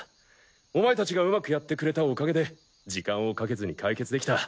お前たちがうまくやってくれたおかげで時間をかけずに解決できた。